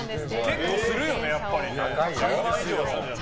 結構するよね、やっぱりね。